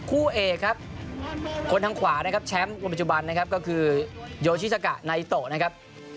คู่เอกครับคนทางขวานะครับแชมป์อุปจุบันก็คือโยชิซาโกะไนโตนะครับ